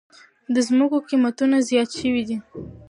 د زمکو قيمتونه زیات شوي دي